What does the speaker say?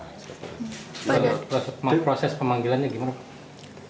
proses pemanggilannya gimana